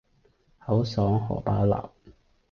口爽荷包立